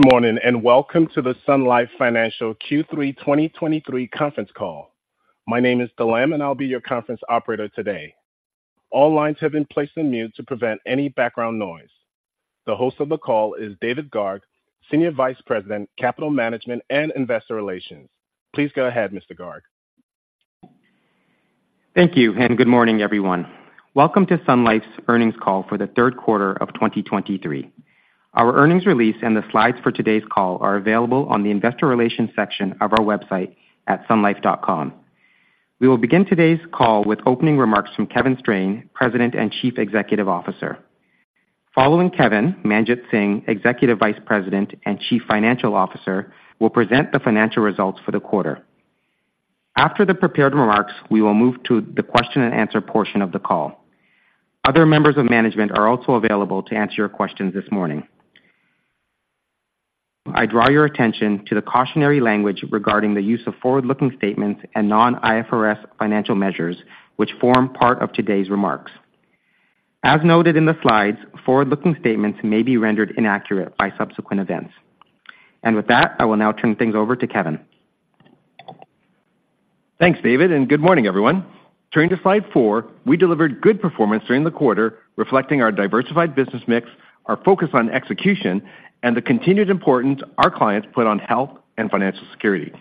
Good morning, and welcome to the Sun Life Financial Q3 2023 conference call. My name is Delam, and I'll be your conference operator today. All lines have been placed on mute to prevent any background noise. The host of the call is David Garg, Senior Vice President, Capital Management and Investor Relations. Please go ahead, Mr. Garg. Thank you, and good morning, everyone. Welcome to Sun Life's earnings call for the third quarter of 2023. Our earnings release and the slides for today's call are available on the Investor Relations section of our website at sunlife.com. We will begin today's call with opening remarks from Kevin Strain, President and Chief Executive Officer. Following Kevin, Manjit Singh, Executive Vice President and Chief Financial Officer, will present the financial results for the quarter. After the prepared remarks, we will move to the question and answer portion of the call. Other members of management are also available to answer your questions this morning. I draw your attention to the cautionary language regarding the use of forward-looking statements and non-IFRS financial measures, which form part of today's remarks. As noted in the slides, forward-looking statements may be rendered inaccurate by subsequent events. With that, I will now turn things over to Kevin. Thanks, David, and good morning, everyone. Turning to slide 4, we delivered good performance during the quarter, reflecting our diversified business mix, our focus on execution, and the continued importance our clients put on health and financial security.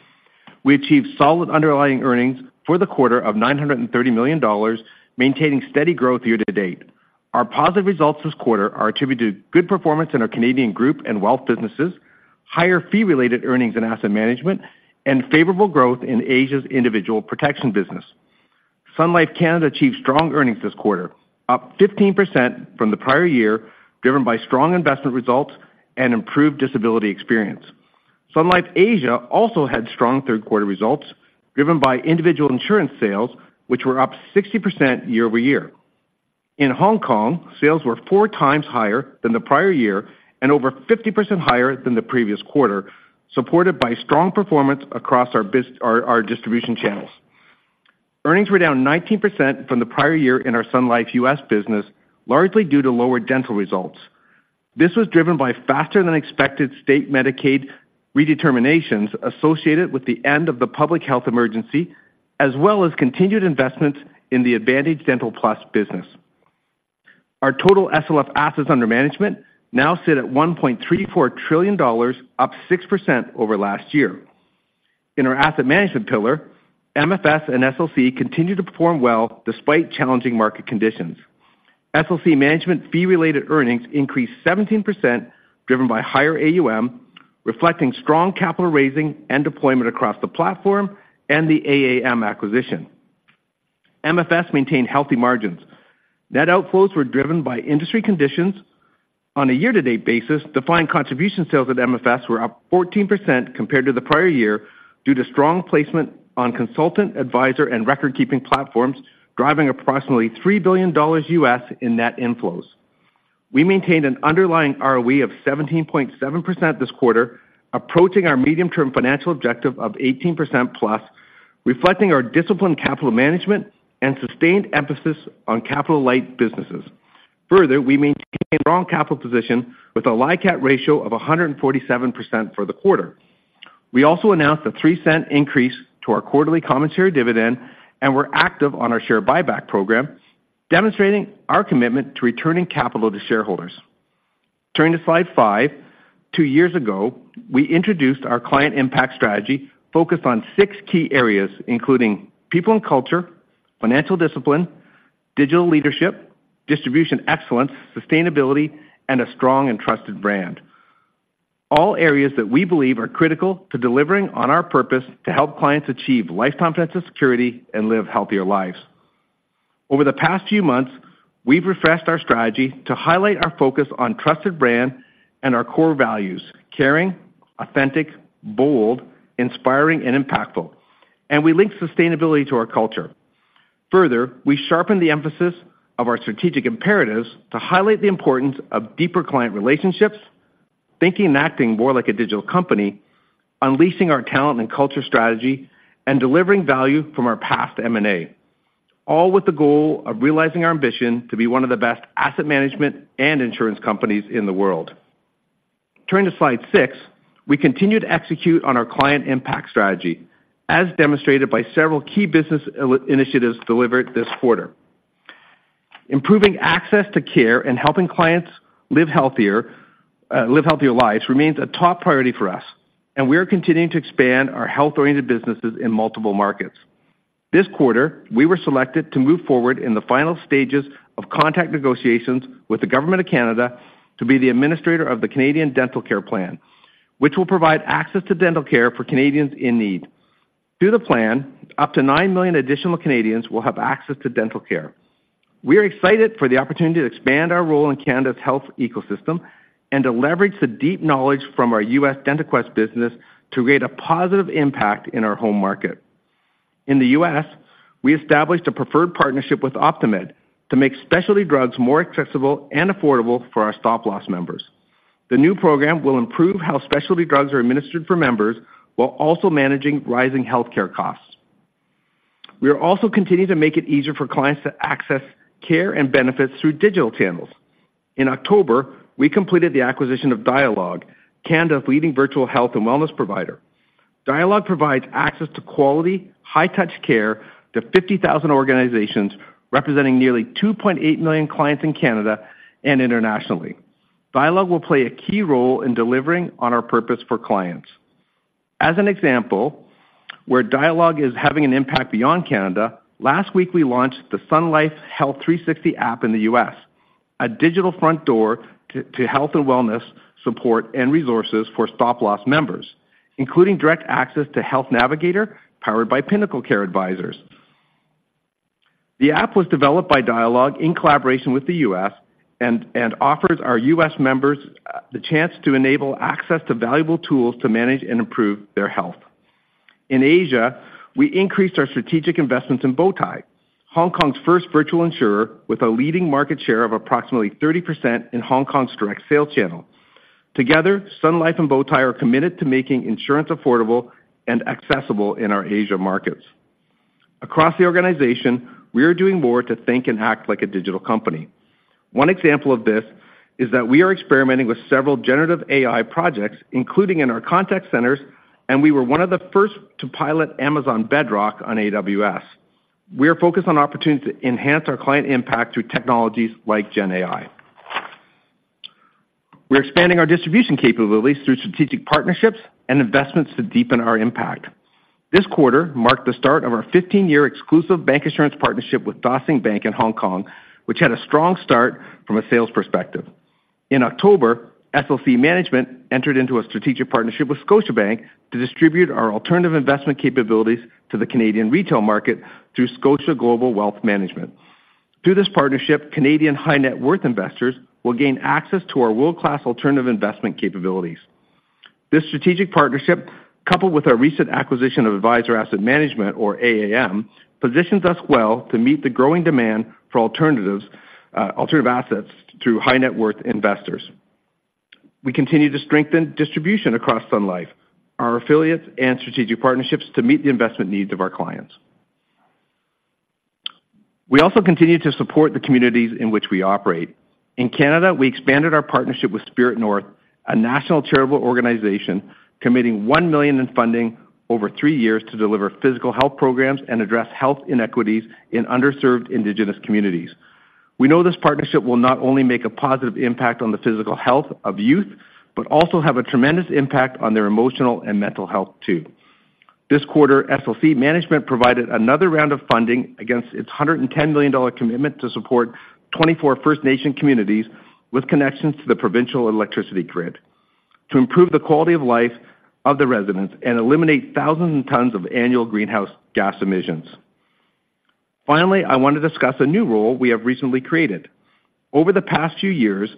We achieved solid underlying earnings for the quarter of 930 million dollars, maintaining steady growth year to date. Our positive results this quarter are attributed to good performance in our Canadian group and wealth businesses, higher fee-related earnings and asset management, and favorable growth in Asia's individual protection business. Sun Life Canada achieved strong earnings this quarter, up 15% from the prior year, driven by strong investment results and improved disability experience. Sun Life Asia also had strong third quarter results, driven by individual insurance sales, which were up 60% year-over-year. In Hong Kong, sales were four times higher than the prior year and over 50% higher than the previous quarter, supported by strong performance across our business, our distribution channels. Earnings were down 19% from the prior year in our Sun Life U.S. business, largely due to lower dental results. This was driven by faster than expected state Medicaid redeterminations associated with the end of the public health emergency, as well as continued investments in the Advantage Dental+ business. Our total SLF assets under management now sit at $1.34 trillion, up 6% over last year. In our asset management pillar, MFS and SLC continue to perform well despite challenging market conditions. SLC Management fee-related earnings increased 17%, driven by higher AUM, reflecting strong capital raising and deployment across the platform and the AAM acquisition. MFS maintained healthy margins. Net outflows were driven by industry conditions. On a year-to-date basis, defined contribution sales at MFS were up 14% compared to the prior year, due to strong placement on consultant, advisor, and record-keeping platforms, driving approximately $3 billion in net inflows. We maintained an underlying ROE of 17.7% this quarter, approaching our medium-term financial objective of 18%+, reflecting our disciplined capital management and sustained emphasis on capital-light businesses. Further, we maintained a strong capital position with a LICAT ratio of 147% for the quarter. We also announced a 0.03 increase to our quarterly common dividend and we're active on our share buyback program, demonstrating our commitment to returning capital to shareholders. Turning to slide 5, two years ago, we introduced our Client Impact strategy, focused on six key areas, including people and culture, financial discipline, digital leadership, distribution excellence, sustainability, and a strong and trusted brand. All areas that we believe are critical to delivering on our purpose to help clients achieve life confidence and security and live healthier lives. Over the past few months, we've refreshed our strategy to highlight our focus on trusted brand and our core values: caring, authentic, bold, inspiring, and impactful. We link sustainability to our culture. Further, we sharpen the emphasis of our strategic imperatives to highlight the importance of deeper client relationships, thinking and acting more like a digital company, unleashing our talent and culture strategy, and delivering value from our past M&A, all with the goal of realizing our ambition to be one of the best asset management and insurance companies in the world. Turning to slide six, we continue to execute on our Client Impact strategy, as demonstrated by several key business initiatives delivered this quarter. Improving access to care and helping clients live healthier lives remains a top priority for us, and we are continuing to expand our health-oriented businesses in multiple markets. This quarter, we were selected to move forward in the final stages of contract negotiations with the government of Canada to be the administrator of the Canadian Dental Care Plan, which will provide access to dental care for Canadians in need. Through the plan, up to 9 million additional Canadians will have access to dental care. We are excited for the opportunity to expand our role in Canada's health ecosystem and to leverage the deep knowledge from our U.S. DentaQuest business to create a positive impact in our home market. In the U.S., we established a preferred partnership with OptumRx to make specialty drugs more accessible and affordable for our stop-loss members. The new program will improve how specialty drugs are administered for members while also managing rising healthcare costs.... We are also continuing to make it easier for clients to access care and benefits through digital channels. In October, we completed the acquisition of Dialogue, Canada's leading virtual health and wellness provider. Dialogue provides access to quality, high-touch care to 50,000 organizations, representing nearly 2.8 million clients in Canada and internationally. Dialogue will play a key role in delivering on our purpose for clients. As an example, where Dialogue is having an impact beyond Canada, last week, we launched the Sun Life Health 360 app in the U.S., a digital front door to health and wellness support and resources for stop-loss members, including direct access to Health Navigator, powered by PinnacleCare Advisors. The app was developed by Dialogue in collaboration with the U.S. and offers our U.S. members the chance to enable access to valuable tools to manage and improve their health. In Asia, we increased our strategic investments in Bowtie, Hong Kong's first virtual insurer, with a leading market share of approximately 30% in Hong Kong's direct sales channel. Together, Sun Life and Bowtie are committed to making insurance affordable and accessible in our Asia markets. Across the organization, we are doing more to think and act like a digital company. One example of this is that we are experimenting with several generative AI projects, including in our contact centers, and we were one of the first to pilot Amazon Bedrock on AWS. We are focused on opportunities to enhance our client impact through technologies like GenAI. We're expanding our distribution capabilities through strategic partnerships and investments to deepen our impact. This quarter marked the start of our 15-year exclusive bank insurance partnership with Dah Sing Bank in Hong Kong, which had a strong start from a sales perspective. In October, SLC Management entered into a strategic partnership with Scotiabank to distribute our alternative investment capabilities to the Canadian retail market through Scotia Global Wealth Management. Through this partnership, Canadian high-net-worth investors will gain access to our world-class alternative investment capabilities. This strategic partnership, coupled with our recent acquisition of Advisors Asset Management, or AAM, positions us well to meet the growing demand for alternatives, alternative assets through high-net-worth investors. We continue to strengthen distribution across Sun Life, our affiliates and strategic partnerships to meet the investment needs of our clients. We also continue to support the communities in which we operate. In Canada, we expanded our partnership with Spirit North, a national charitable organization, committing 1 million in funding over three years to deliver physical health programs and address health inequities in underserved indigenous communities. We know this partnership will not only make a positive impact on the physical health of youth, but also have a tremendous impact on their emotional and mental health, too. This quarter, SLC Management provided another round of funding against its 110 million dollar commitment to support 24 First Nation communities with connections to the provincial electricity grid, to improve the quality of life of the residents and eliminate thousands of tons of annual greenhouse gas emissions. Finally, I want to discuss a new role we have recently created. Over the past few years,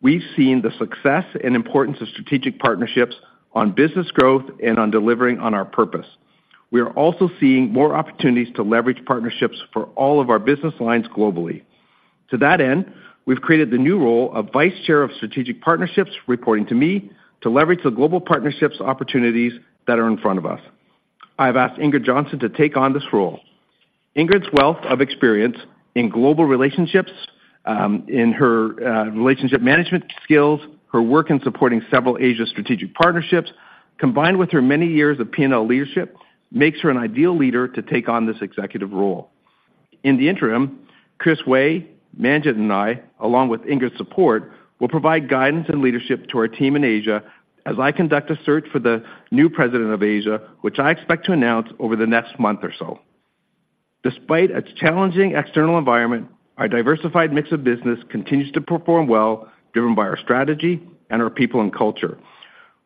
we've seen the success and importance of strategic partnerships on business growth and on delivering on our purpose. We are also seeing more opportunities to leverage partnerships for all of our business lines globally. To that end, we've created the new role of Vice Chair of Strategic Partnerships, reporting to me, to leverage the global partnerships opportunities that are in front of us. I have asked Ingrid Johnson to take on this role. Ingrid's wealth of experience in global relationships, in her relationship management skills, her work in supporting several Asia strategic partnerships, combined with her many years of P&L leadership, makes her an ideal leader to take on this executive role. In the interim, Chris Wei, Manjit and I, along with Ingrid's support, will provide guidance and leadership to our team in Asia as I conduct a search for the new president of Asia, which I expect to announce over the next month or so. Despite a challenging external environment, our diversified mix of business continues to perform well, driven by our strategy and our people and culture.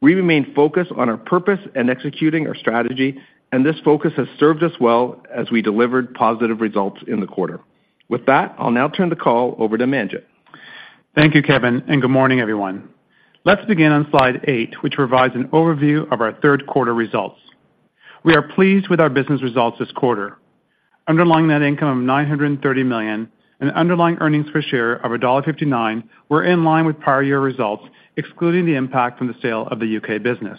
We remain focused on our purpose and executing our strategy, and this focus has served us well as we delivered positive results in the quarter. With that, I'll now turn the call over to Manjit. Thank you, Kevin, and good morning, everyone. Let's begin on slide 8, which provides an overview of our third quarter results. We are pleased with our business results this quarter. Underlying net income of 930 million and underlying earnings per share of dollar 1.59 were in line with prior year results, excluding the impact from the sale of the UK business.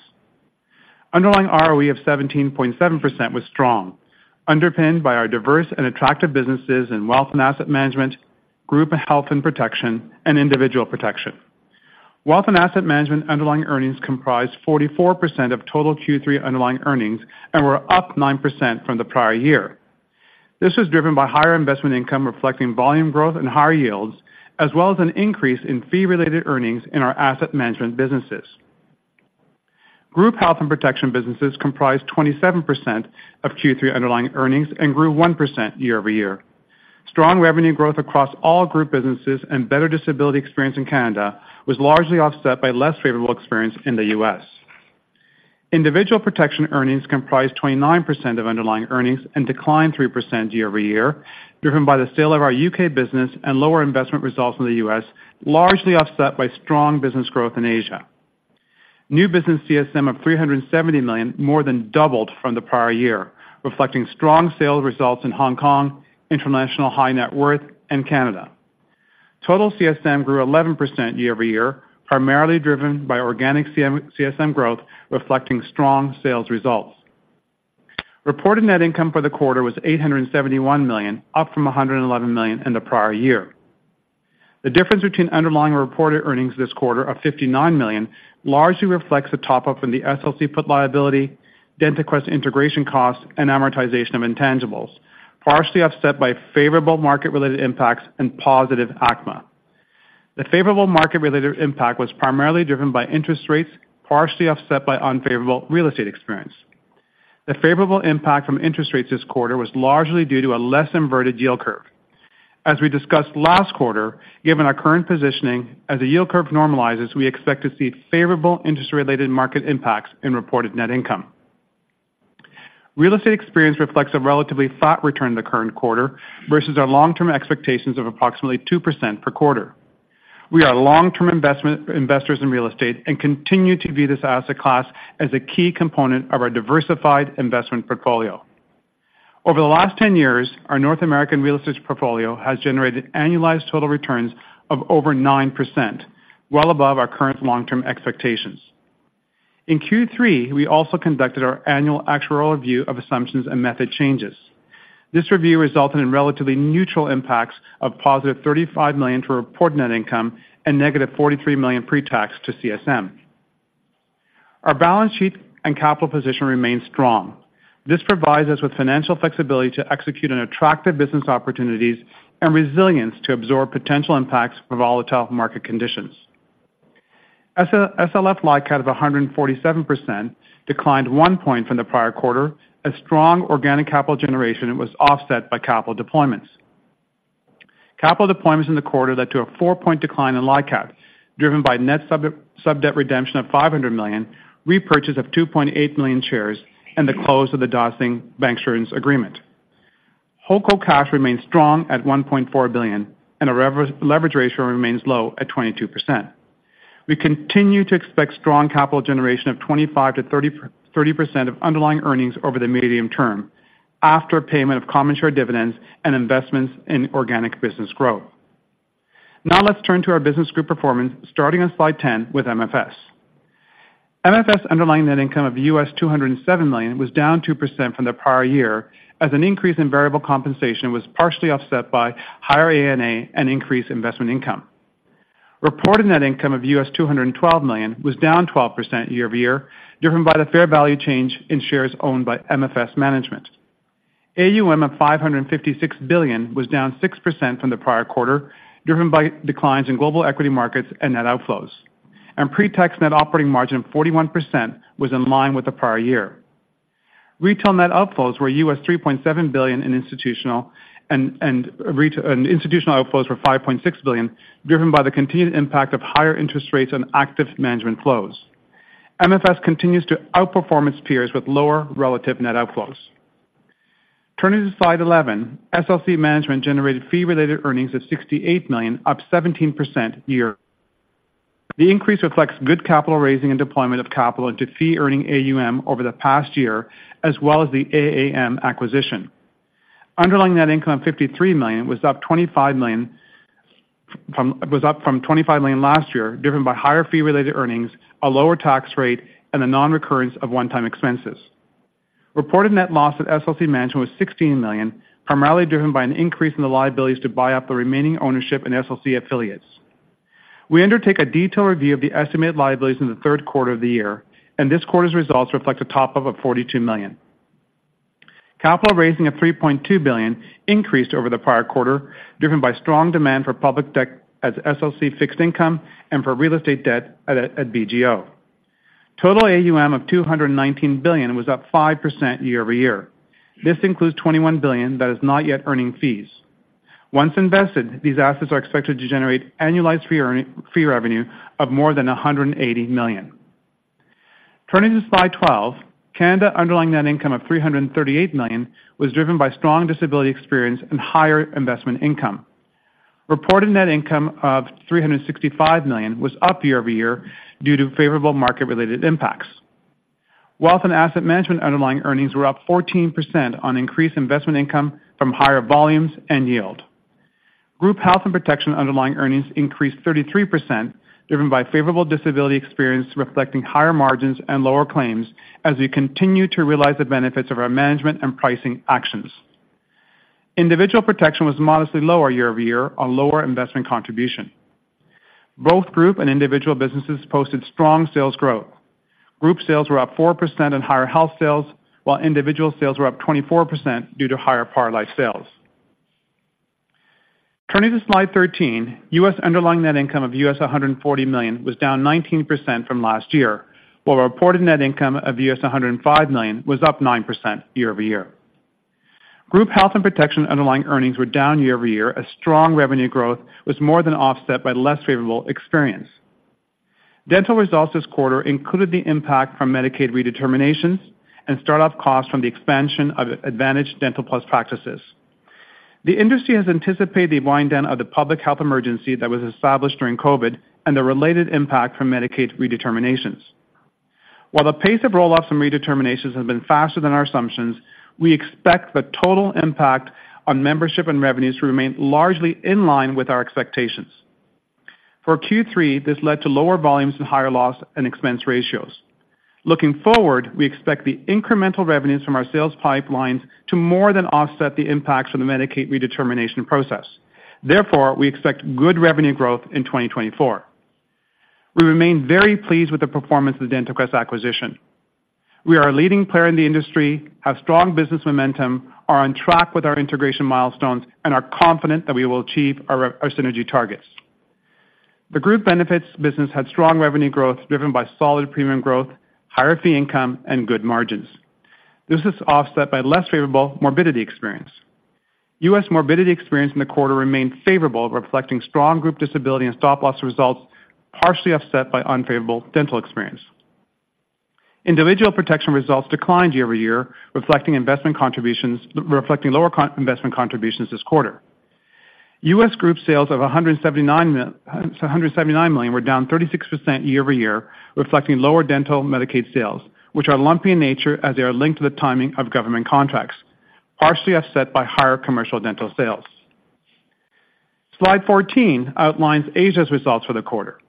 Underlying ROE of 17.7% was strong, underpinned by our diverse and attractive businesses in wealth and asset management, group health and protection, and individual protection. Wealth and asset management underlying earnings comprised 44% of total Q3 underlying earnings and were up 9% from the prior year. This was driven by higher investment income, reflecting volume growth and higher yields, as well as an increase in fee-related earnings in our asset management businesses. Group Health and Protection businesses comprised 27% of Q3 underlying earnings and grew 1% year-over-year. Strong revenue growth across all group businesses and better disability experience in Canada was largely offset by less favorable experience in the U.S. Individual Protection earnings comprised 29% of underlying earnings and declined 3% year-over-year, driven by the sale of our U.K. business and lower investment results in the U.S., largely offset by strong business growth in Asia. New business CSM of 370 million more than doubled from the prior year, reflecting strong sales results in Hong Kong, international High Net Worth, and Canada.... Total CSM grew 11% year-over-year, primarily driven by organic CM, CSM growth, reflecting strong sales results. Reported net income for the quarter was CAD 871 million, up from CAD 111 million in the prior year. The difference between underlying reported earnings this quarter of CAD 59 million, largely reflects the top up in the SLC put liability, DentaQuest integration costs, and amortization of intangibles, partially offset by favorable market-related impacts and positive ACMA. The favorable market-related impact was primarily driven by interest rates, partially offset by unfavorable real estate experience. The favorable impact from interest rates this quarter was largely due to a less inverted yield curve. As we discussed last quarter, given our current positioning, as the yield curve normalizes, we expect to see favorable industry-related market impacts in reported net income. Real estate experience reflects a relatively flat return in the current quarter versus our long-term expectations of approximately 2% per quarter. We are long-term investors in real estate and continue to view this asset class as a key component of our diversified investment portfolio. Over the last 10 years, our North American real estate portfolio has generated annualized total returns of over 9%, well above our current long-term expectations. In Q3, we also conducted our annual actuarial review of assumptions and method changes. This review resulted in relatively neutral impacts of +35 million to reported net income and -43 million pre-tax to CSM. Our balance sheet and capital position remains strong. This provides us with financial flexibility to execute on attractive business opportunities and resilience to absorb potential impacts of volatile market conditions. SLF LICAT of 147% declined 1 point from the prior quarter, as strong organic capital generation was offset by capital deployments. Capital deployments in the quarter led to a 4-point decline in LICAT, driven by net sub debt redemption of $500 million, repurchase of 2.8 million shares, and the close of the Dah Sing Bank insurance agreement. Holdco cash remains strong at 1.4 billion, and our leverage ratio remains low at 22%. We continue to expect strong capital generation of 25%-30% of underlying earnings over the medium term, after payment of common share dividends and investments in organic business growth. Now let's turn to our business group performance, starting on slide 10 with MFS. MFS underlying net income of $207 million was down 2% from the prior year, as an increase in variable compensation was partially offset by higher AUM and increased investment income. Reported net income of $212 million was down 12% year-over-year, driven by the fair value change in shares owned by MFS Management. AUM of $556 billion was down 6% from the prior quarter, driven by declines in global equity markets and net outflows. Pre-tax net operating margin of 41% was in line with the prior year. Retail net outflows were $3.7 billion and institutional outflows were $5.6 billion, driven by the continued impact of higher interest rates on active management flows. MFS continues to outperform peers with lower relative net outflows. Turning to slide 11, SLC Management generated fee-related earnings of $68 million, up 17% year. The increase reflects good capital raising and deployment of capital into fee-earning AUM over the past year, as well as the AAM acquisition. Underlying net income of $53 million was up $25 million from was up from $25 million last year, driven by higher fee-related earnings, a lower tax rate, and a nonrecurrence of one-time expenses. Reported net loss at SLC Management was $16 million, primarily driven by an increase in the liabilities to buy up the remaining ownership in SLC affiliates. We undertake a detailed review of the estimated liabilities in the third quarter of the year, and this quarter's results reflect a top-up of $42 million. Capital raising of $3.2 billion increased over the prior quarter, driven by strong demand for public debt at SLC fixed income and for real estate debt at BGO. Total AUM of 219 billion was up 5% year-over-year. This includes 21 billion that is not yet earning fees. Once invested, these assets are expected to generate annualized fee revenue of more than 180 million. Turning to slide 12, Canada underlying net income of 338 million was driven by strong disability experience and higher investment income. Reported net income of 365 million was up year-over-year due to favorable market-related impacts. Wealth and asset management underlying earnings were up 14% on increased investment income from higher volumes and yield. Group Health and Protection underlying earnings increased 33%, driven by favorable disability experience, reflecting higher margins and lower claims as we continue to realize the benefits of our management and pricing actions. Individual protection was modestly lower year-over-year on lower investment contribution. Both group and individual businesses posted strong sales growth. Group sales were up 4% on higher health sales, while individual sales were up 24% due to higher Par Life sales. Turning to slide 13, U.S. underlying net income of $140 million was down 19% from last year, while reported net income of $105 million was up 9% year-over-year. Group Health and Protection underlying earnings were down year-over-year, as strong revenue growth was more than offset by less favorable experience. Dental results this quarter included the impact from Medicaid redeterminations and start-up costs from the expansion of Advantage Dental+ practices. The industry has anticipated the wind down of the public health emergency that was established during COVID and the related impact from Medicaid redeterminations. While the pace of roll offs and redeterminations has been faster than our assumptions, we expect the total impact on membership and revenues to remain largely in line with our expectations. For Q3, this led to lower volumes and higher loss and expense ratios. Looking forward, we expect the incremental revenues from our sales pipelines to more than offset the impacts from the Medicaid redetermination process. Therefore, we expect good revenue growth in 2024. We remain very pleased with the performance of the DentaQuest acquisition. We are a leading player in the industry, have strong business momentum, are on track with our integration milestones, and are confident that we will achieve our synergy targets. The group benefits business had strong revenue growth, driven by solid premium growth, higher fee income, and good margins. This is offset by less favorable morbidity experience. U.S. morbidity experience in the quarter remained favorable, reflecting strong group disability and stop-loss results, partially offset by unfavorable dental experience. Individual protection results declined year-over-year, reflecting lower continuing investment contributions this quarter. U.S. Group sales of $179 million were down 36% year-over-year, reflecting lower dental Medicaid sales, which are lumpy in nature as they are linked to the timing of government contracts, partially offset by higher commercial dental sales. Slide 14 outlines Asia's results for the quarter.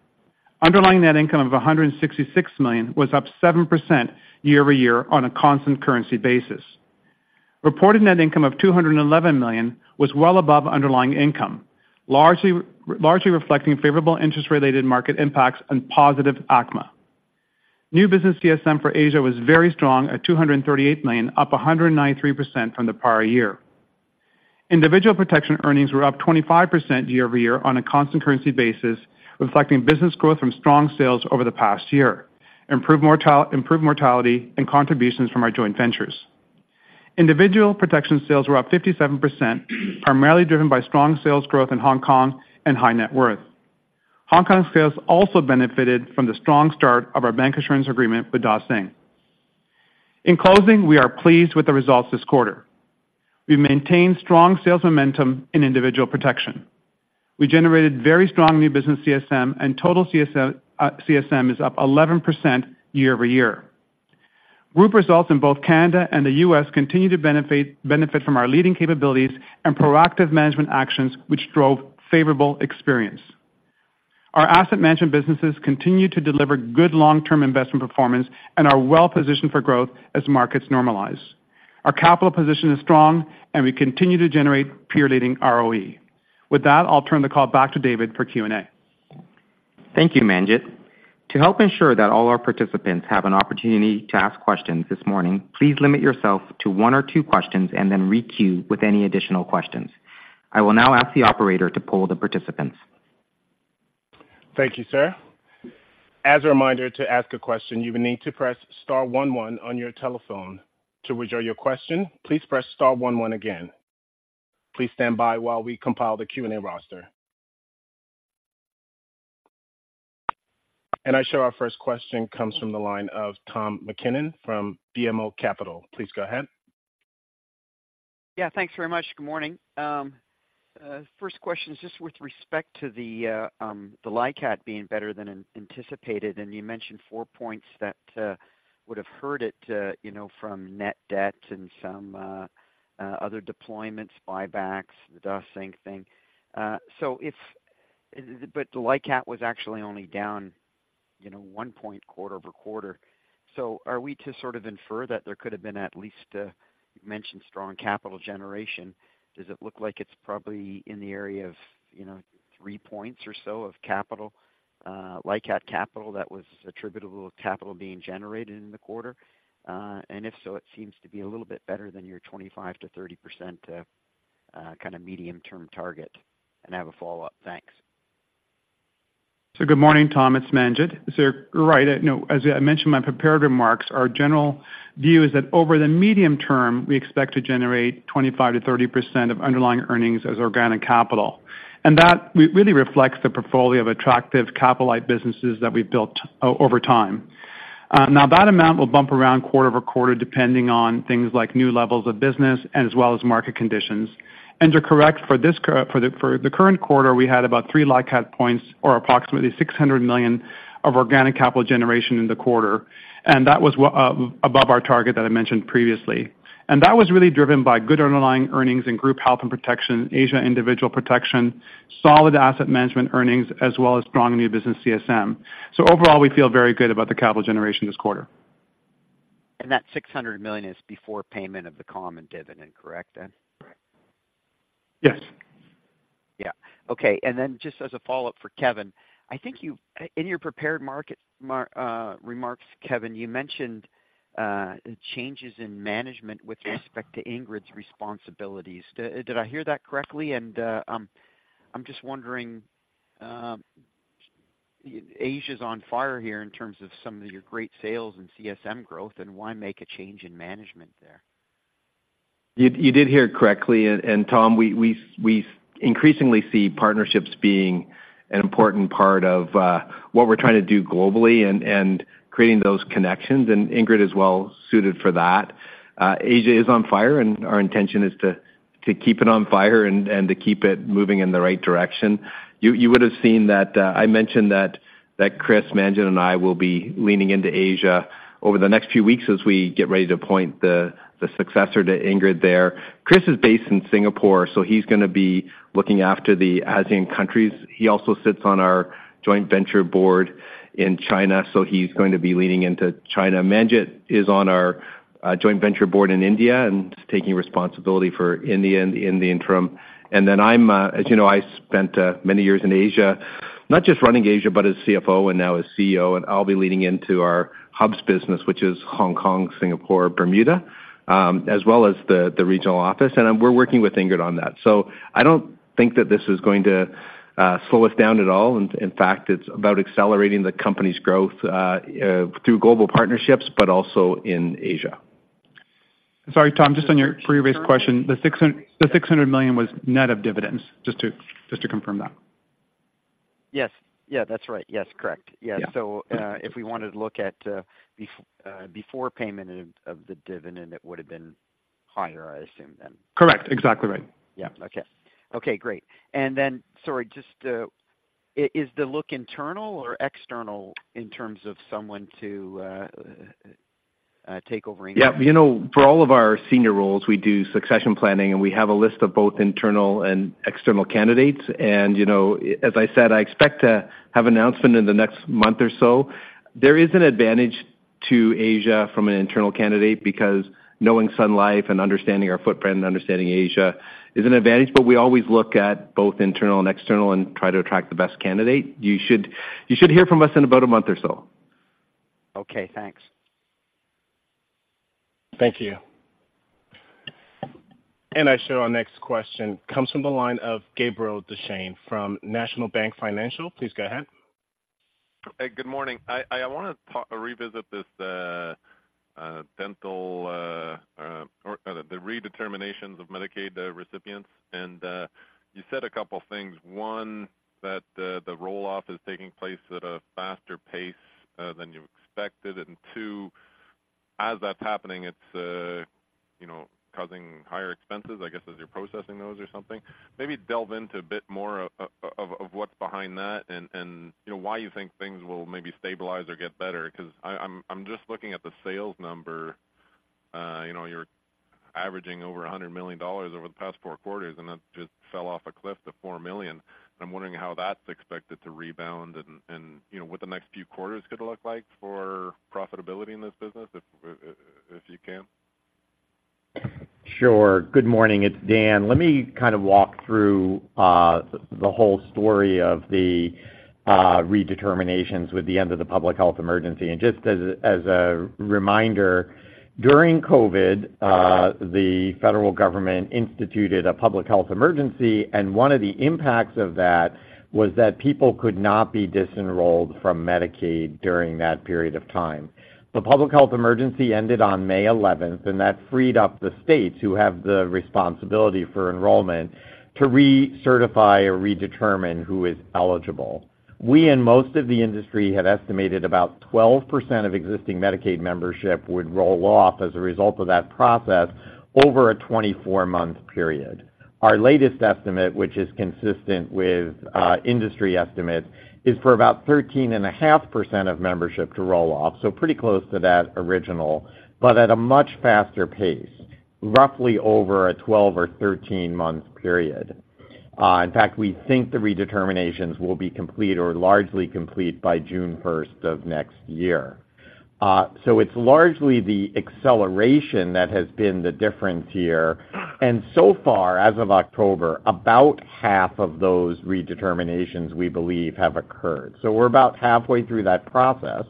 Underlying net income of 166 million was up 7% year-over-year on a constant currency basis. Reported net income of 211 million was well above underlying income, largely reflecting favorable interest-related market impacts and positive ACMA. New business CSM for Asia was very strong at 238 million, up 193% from the prior year. Individual protection earnings were up 25% year-over-year on a constant currency basis, reflecting business growth from strong sales over the past year, improved mortality, and contributions from our joint ventures. Individual protection sales were up 57%, primarily driven by strong sales growth in Hong Kong and High Net Worth. Hong Kong sales also benefited from the strong start of our bank insurance agreement with Dah Sing. In closing, we are pleased with the results this quarter. We've maintained strong sales momentum in individual protection. We generated very strong new business CSM, and total CSM is up 11% year-over-year. Group results in both Canada and the U.S. continue to benefit from our leading capabilities and proactive management actions, which drove favorable experience. Our asset management businesses continue to deliver good long-term investment performance and are well positioned for growth as markets normalize. Our capital position is strong, and we continue to generate peer-leading ROE. With that, I'll turn the call back to David for Q&A. Thank you, Manjit. To help ensure that all our participants have an opportunity to ask questions this morning, please limit yourself to one or two questions and then requeue with any additional questions. I will now ask the operator to poll the participants. Thank you, sir. As a reminder, to ask a question, you will need to press star one one on your telephone. To withdraw your question, please press star one one again. Please stand by while we compile the Q&A roster. And I show our first question comes from the line of Tom MacKinnon from BMO Capital Markets. Please go ahead. Yeah, thanks very much. Good morning. First question is just with respect to the LICAT being better than anticipated, and you mentioned four points that would have hurt it, you know, from net debt and some other deployments, buybacks, the Dah Sing thing. So, but the LICAT was actually only down, you know, one point quarter-over-quarter. So are we to sort of infer that there could have been at least, you've mentioned strong capital generation. Does it look like it's probably in the area of, you know, three points or so of capital, LICAT capital, that was attributable to capital being generated in the quarter? And if so, it seems to be a little bit better than your 25%-30% kind of medium-term target. I have a follow-up. Thanks. So good morning, Tom. It's Manjit. So you're right. No, as I mentioned in my prepared remarks, our general view is that over the medium term, we expect to generate 25%-30% of underlying earnings as organic capital. And that really reflects the portfolio of attractive capital light businesses that we've built over time. Now, that amount will bump around quarter-over-quarter, depending on things like new levels of business and as well as market conditions. And you're correct, for the current quarter, we had about 3 LICAT points or approximately 600 million of organic capital generation in the quarter, and that was above our target that I mentioned previously. That was really driven by good underlying earnings in group health and protection, Asia individual protection, solid asset management earnings, as well as strong new business CSM. Overall, we feel very good about the capital generation this quarter. That 600 million is before payment of the common dividend, correct then? Yes. Yeah. Okay, and then just as a follow-up for Kevin, I think you, in your prepared market remarks, Kevin, you mentioned changes in management with respect to Ingrid's responsibilities. Did I hear that correctly? And, I'm just wondering, Asia's on fire here in terms of some of your great sales and CSM growth, and why make a change in management there?... You did hear it correctly. And Tom, we increasingly see partnerships being an important part of what we're trying to do globally and creating those connections, and Ingrid is well suited for that. Asia is on fire, and our intention is to keep it on fire and to keep it moving in the right direction. You would have seen that I mentioned that Chris Wei and I will be leaning into Asia over the next few weeks as we get ready to appoint the successor to Ingrid there. Chris is based in Singapore, so he's going to be looking after the ASEAN countries. He also sits on our joint venture board in China, so he's going to be leaning into China. Manjit is on our, joint venture board in India, and he's taking responsibility for India in the interim. And then I'm, as you know, I spent, many years in Asia, not just running Asia, but as CFO and now as CEO. And I'll be leaning into our hubs business, which is Hong Kong, Singapore, Bermuda, as well as the regional office, and then we're working with Ingrid on that. So I don't think that this is going to, slow us down at all. In fact, it's about accelerating the company's growth, through global partnerships, but also in Asia. Sorry, Tom, just on your previous question, the 600 million was net of dividends, just to, just to confirm that. Yes. Yeah, that's right. Yes, correct. Yeah. Yes. So, if we wanted to look at before payment of the dividend, it would have been higher, I assume, then? Correct. Exactly right. Yeah. Okay. Okay, great. And then, sorry, just, is the look internal or external in terms of someone to take over Ingrid? Yeah, you know, for all of our senior roles, we do succession planning, and we have a list of both internal and external candidates. You know, as I said, I expect to have announcement in the next month or so. There is an advantage to Asia from an internal candidate because knowing Sun Life and understanding our footprint and understanding Asia is an advantage, but we always look at both internal and external and try to attract the best candidate. You should, you should hear from us in about a month or so. Okay, thanks. Thank you. And I show our next question comes from the line of Gabriel Deschaine from National Bank Financial. Please go ahead. Hey, good morning. I want to talk, revisit this, dental or the redeterminations of Medicaid recipients. And you said a couple things. One, that the roll-off is taking place at a faster pace than you expected. And two, as that's happening, it's you know, causing higher expenses, I guess, as you're processing those or something. Maybe delve into a bit more of what's behind that and you know, why you think things will maybe stabilize or get better. Because I'm just looking at the sales number. You know, you're averaging over $100 million over the past 4 quarters, and that just fell off a cliff to $4 million. I'm wondering how that's expected to rebound and, you know, what the next few quarters could look like for profitability in this business, if you can? Sure. Good morning, it's Dan. Let me kind of walk through the whole story of the redeterminations with the end of the public health emergency. And just as a reminder, during COVID, the federal government instituted a public health emergency, and one of the impacts of that was that people could not be dis-enrolled from Medicaid during that period of time. The public health emergency ended on May eleventh, and that freed up the states who have the responsibility for enrollment to recertify or redetermine who is eligible. We and most of the industry had estimated about 12% of existing Medicaid membership would roll off as a result of that process over a 24-month period. Our latest estimate, which is consistent with industry estimates, is for about 13.5% of membership to roll off, so pretty close to that original, but at a much faster pace, roughly over a 12- or 13-month period. In fact, we think the redeterminations will be complete or largely complete by June first of next year. So it's largely the acceleration that has been the difference here. And so far, as of October, about half of those redeterminations, we believe, have occurred. So we're about halfway through that process,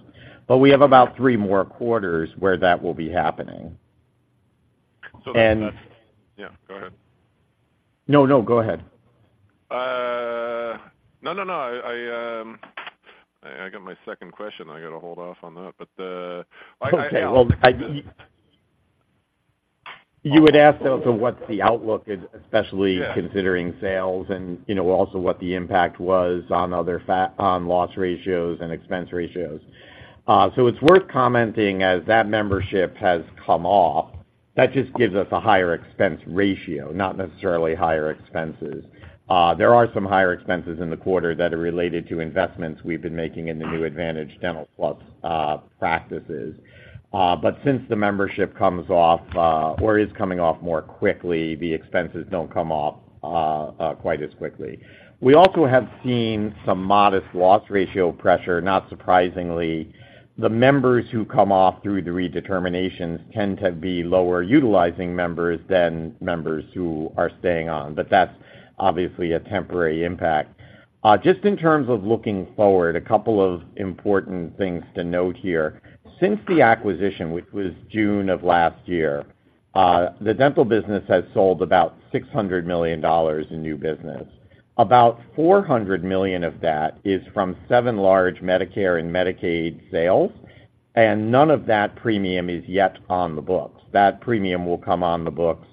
but we have about three more quarters where that will be happening. And- So that... Yeah, go ahead. No, no, go ahead. No, no, no. I, I got my second question. I got to hold off on that, but, I, I- Okay, well, you would ask, though, so what's the outlook, especially- Yeah considering sales and, you know, also what the impact was on other factors on loss ratios and expense ratios. So it's worth commenting, as that membership has come off, that just gives us a higher expense ratio, not necessarily higher expenses. There are some higher expenses in the quarter that are related to investments we've been making in the new Advantage Dental Plus practices. But since the membership comes off, or is coming off more quickly, the expenses don't come off quite as quickly. We also have seen some modest loss ratio pressure, not surprisingly. The members who come off through the redeterminations tend to be lower utilizing members than members who are staying on, but that's obviously a temporary impact. Just in terms of looking forward, a couple of important things to note here. Since the acquisition, which was June of last year, the dental business has sold about $600 million in new business. About $400 million of that is from 7 large Medicare and Medicaid sales, and none of that premium is yet on the books. That premium will come on the books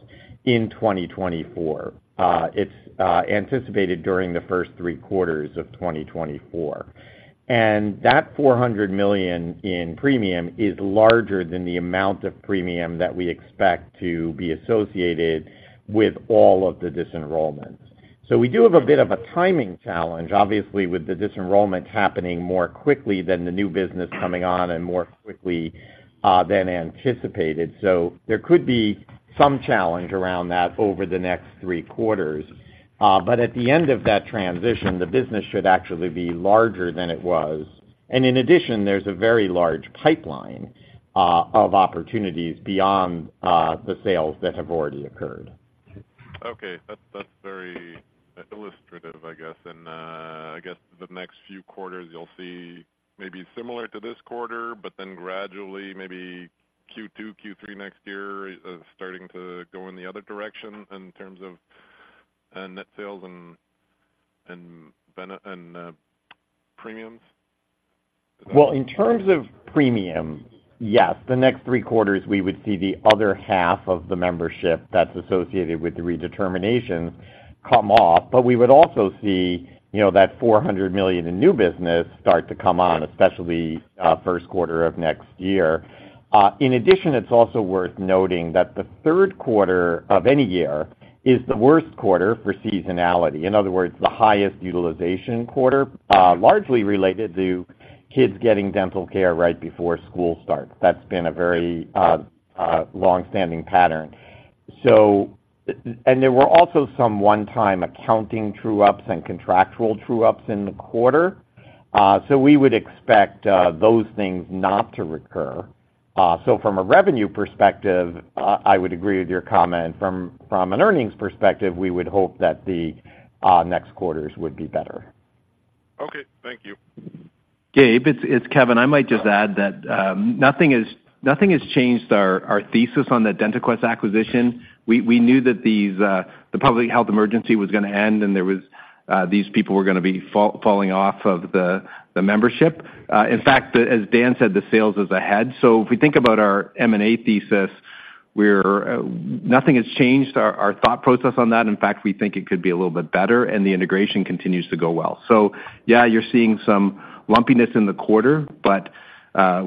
in 2024. It's anticipated during the first three quarters of 2024. And that $400 million in premium is larger than the amount of premium that we expect to be associated with all of the disenrollments. So we do have a bit of a timing challenge, obviously, with the disenrollment happening more quickly than the new business coming on and more quickly than anticipated. So there could be some challenge around that over the next three quarters. But at the end of that transition, the business should actually be larger than it was. In addition, there's a very large pipeline of opportunities beyond the sales that have already occurred. Okay. That's very illustrative, I guess. I guess the next few quarters, you'll see maybe similar to this quarter, but then gradually, maybe Q2, Q3 next year, starting to go in the other direction in terms of net sales and benefits and premiums? Well, in terms of premium, yes, the next three quarters, we would see the other half of the membership that's associated with the redetermination come off, but we would also see, you know, that $400 million in new business start to come on, especially, first quarter of next year. In addition, it's also worth noting that the third quarter of any year is the worst quarter for seasonality. In other words, the highest utilization quarter, largely related to kids getting dental care right before school starts. That's been a very, long-standing pattern. And there were also some one-time accounting true ups and contractual true ups in the quarter. So we would expect, those things not to recur. So from a revenue perspective, I would agree with your comment. From an earnings perspective, we would hope that the next quarters would be better. Okay, thank you. Gabe, it's Kevin. I might just add that nothing has changed our thesis on the DentaQuest acquisition. We knew that the public health emergency was gonna end, and there was these people were gonna be falling off of the membership. In fact, as Dan said, the sales is ahead. So if we think about our M&A thesis, we're nothing has changed our thought process on that. In fact, we think it could be a little bit better, and the integration continues to go well. So yeah, you're seeing some lumpiness in the quarter, but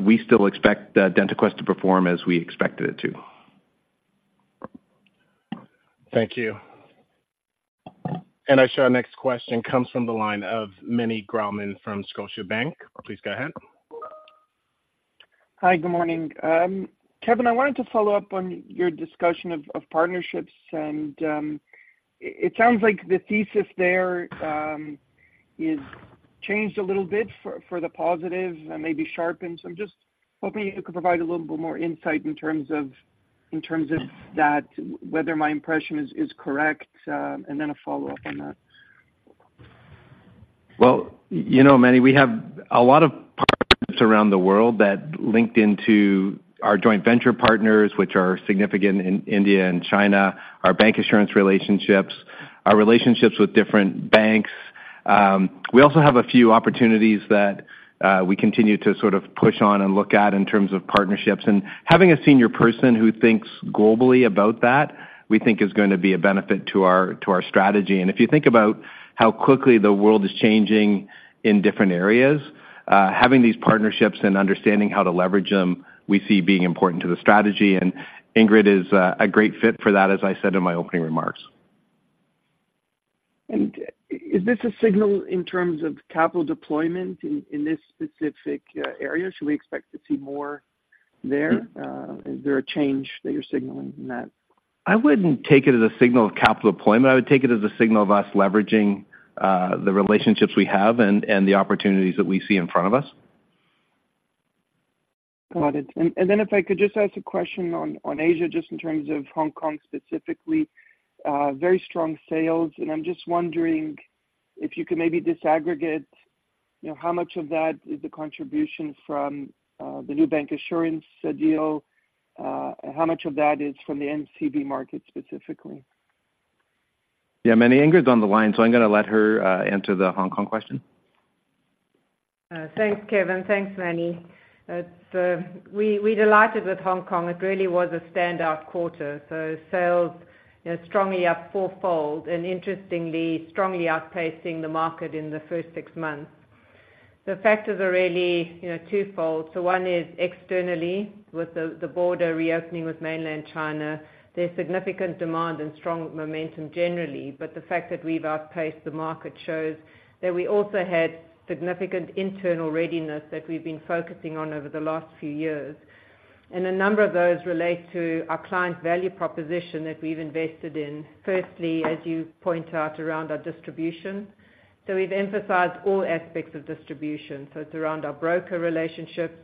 we still expect the DentaQuest to perform as we expected it to. Thank you. Our next question comes from the line of Meny Grauman from Scotiabank. Please go ahead. Hi, good morning. Kevin, I wanted to follow up on your discussion of partnerships, and it sounds like the thesis there is changed a little bit for the positive and maybe sharpened. So I'm just hoping you could provide a little bit more insight in terms of that, whether my impression is correct, and then a follow-up on that. Well, you know, Meny, we have a lot of partners around the world that linked into our joint venture partners, which are significant in India and China, our bank insurance relationships, our relationships with different banks. We also have a few opportunities that, we continue to sort of push on and look at in terms of partnerships. And having a senior person who thinks globally about that, we think is gonna be a benefit to our, to our strategy. And if you think about how quickly the world is changing in different areas, having these partnerships and understanding how to leverage them, we see being important to the strategy, and Ingrid is a great fit for that, as I said in my opening remarks. And is this a signal in terms of capital deployment in this specific area? Should we expect to see more there? Is there a change that you're signaling in that? I wouldn't take it as a signal of capital deployment. I would take it as a signal of us leveraging the relationships we have and the opportunities that we see in front of us. Got it. And then if I could just ask a question on Asia, just in terms of Hong Kong, specifically, very strong sales, and I'm just wondering if you could maybe disaggregate, you know, how much of that is the contribution from the new bank insurance deal? How much of that is from the MCV market, specifically? Yeah, Meny, Ingrid's on the line, so I'm gonna let her answer the Hong Kong question. Thanks, Kevin. Thanks, Meny. We're delighted with Hong Kong. It really was a standout quarter, so sales, you know, strongly up fourfold, and interestingly, strongly outpacing the market in the first six months. The factors are really, you know, twofold. So one is externally, with the border reopening with mainland China, there's significant demand and strong momentum generally. But the fact that we've outpaced the market shows that we also had significant internal readiness that we've been focusing on over the last few years. And a number of those relate to our client value proposition that we've invested in, firstly, as you point out, around our distribution. So we've emphasized all aspects of distribution. So it's around our broker relationships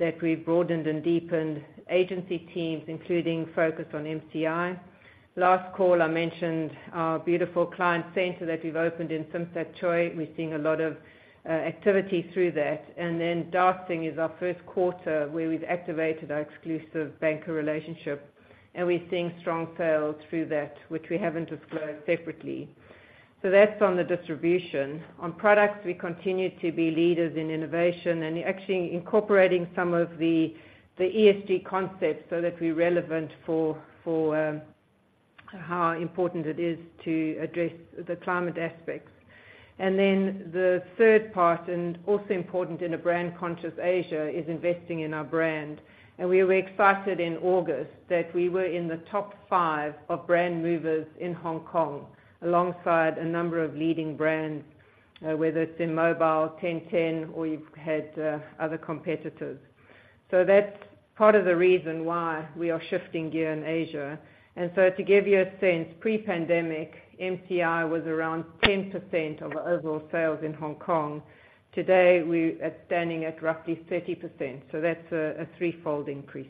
that we've broadened and deepened, agency teams, including focus on MCV.... Last call, I mentioned our beautiful client center that we've opened in Tsim Sha Tsui. We're seeing a lot of activity through that. And then Dah Sing is our first quarter where we've activated our exclusive banker relationship, and we're seeing strong sales through that, which we haven't disclosed separately. So that's on the distribution. On products, we continue to be leaders in innovation and actually incorporating some of the, the ESG concepts so that we're relevant for how important it is to address the climate aspects. And then the third part, and also important in a brand-conscious Asia, is investing in our brand. And we were excited in August that we were in the top five of brand movers in Hong Kong, alongside a number of leading brands, whether it's in mobile, Tencent, or you've had other competitors. So that's part of the reason why we are shifting gear in Asia. To give you a sense, pre-pandemic, MCV was around 10% of overall sales in Hong Kong. Today, we're standing at roughly 30%, so that's a threefold increase.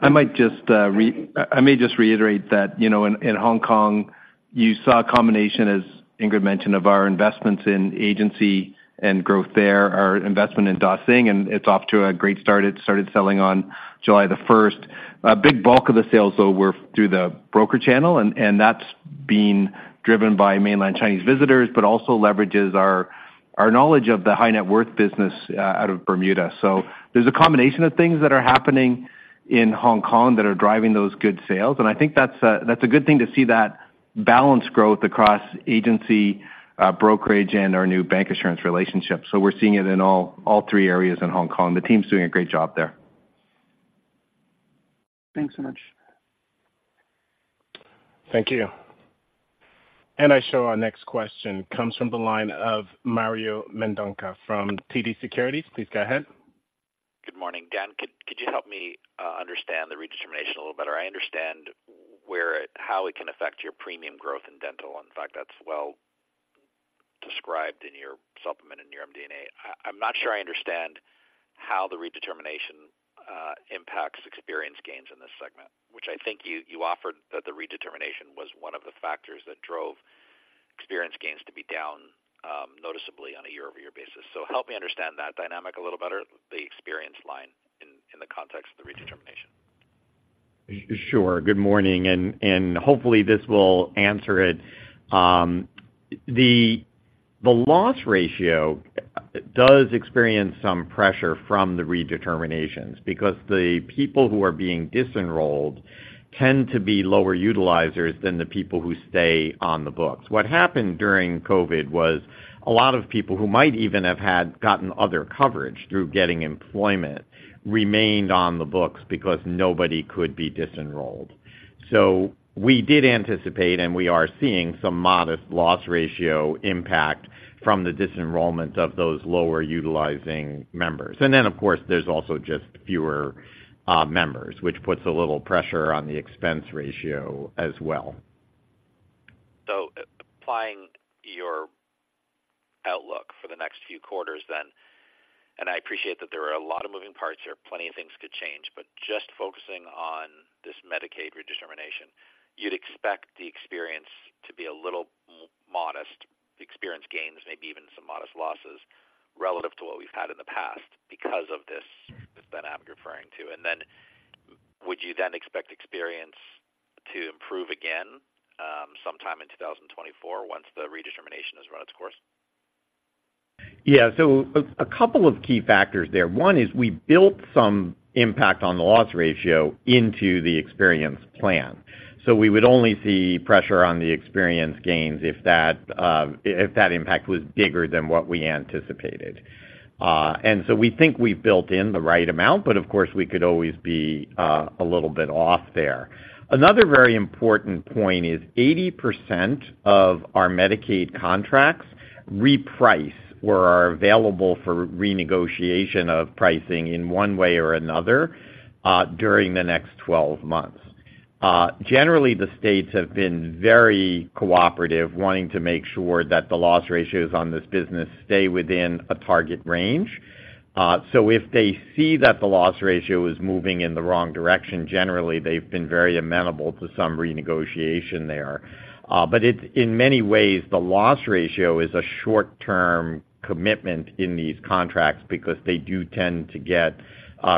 I might just, I may just reiterate that, you know, in Hong Kong, you saw a combination, as Ingrid mentioned, of our investments in agency and growth there, our investment in Dah Sing, and it's off to a great start. It started selling on July the 1st. A big bulk of the sales, though, were through the broker channel, and that's been driven by mainland Chinese visitors, but also leverages our knowledge of the high-net-worth business out of Bermuda. So there's a combination of things that are happening in Hong Kong that are driving those good sales. And I think that's a good thing to see that balanced growth across agency, brokerage, and our new bank insurance relationship. So we're seeing it in all three areas in Hong Kong. The team's doing a great job there. Thanks so much. Thank you. I show our next question comes from the line of Mario Mendonca from TD Securities. Please go ahead. Good morning. Dan, could you help me understand the redetermination a little better? I understand how it can affect your premium growth in dental. In fact, that's well described in your supplement in your MD&A. I'm not sure I understand how the redetermination impacts experience gains in this segment, which I think you offered that the redetermination was one of the factors that drove experience gains to be down noticeably on a year-over-year basis. So help me understand that dynamic a little better, the experience line in the context of the redetermination. Sure. Good morning, and hopefully, this will answer it. The loss ratio does experience some pressure from the redeterminations because the people who are being disenrolled tend to be lower utilizers than the people who stay on the books. What happened during COVID was a lot of people who might even have had gotten other coverage through getting employment remained on the books because nobody could be disenrolled. So we did anticipate, and we are seeing some modest loss ratio impact from the disenrollment of those lower-utilizing members. And then, of course, there's also just fewer members, which puts a little pressure on the expense ratio as well. So applying your outlook for the next few quarters then, and I appreciate that there are a lot of moving parts here, plenty of things could change, but just focusing on this Medicaid Redetermination, you'd expect the experience to be a little modest, the experience gains, maybe even some modest losses relative to what we've had in the past because of this, this dynamic you're referring to. And then would you then expect experience to improve again, sometime in 2024 once the redetermination has run its course? Yeah. So a couple of key factors there. One is we built some impact on the loss ratio into the experience plan. So we would only see pressure on the experience gains if that, if that impact was bigger than what we anticipated. And so we think we've built in the right amount, but of course, we could always be a little bit off there. Another very important point is 80% of our Medicaid contracts reprice or are available for renegotiation of pricing in one way or another during the next 12 months. Generally, the states have been very cooperative, wanting to make sure that the loss ratios on this business stay within a target range. So if they see that the loss ratio is moving in the wrong direction, generally, they've been very amenable to some renegotiation there. But it's, in many ways, the loss ratio is a short-term commitment in these contracts because they do tend to get